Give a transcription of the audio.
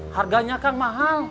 harganya kang mahal